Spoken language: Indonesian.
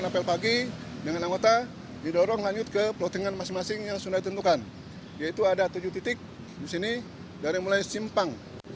pagi ini kita enam tiga puluh sudah melaksanakan